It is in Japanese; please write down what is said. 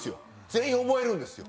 全員覚えるんですよ